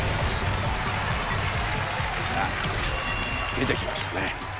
出てきましたね。